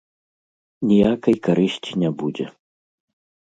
Ніякай карысці не будзе.